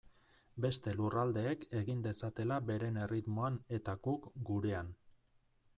Beste lurraldeek egin dezatela beren erritmoan eta guk gurean.